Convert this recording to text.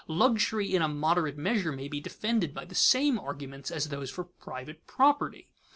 Luxury in a moderate measure may be defended by the same arguments as those for private property.